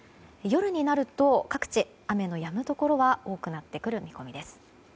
夜になると各地雨のやむところが多くなってくる見込みです。